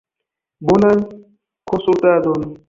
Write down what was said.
Bonan konsultadon!